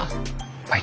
はい。